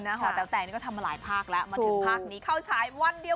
หอแต๋วแตกนี่ก็ทำมาหลายภาคแล้วมาถึงภาคนี้เข้าฉายวันเดียว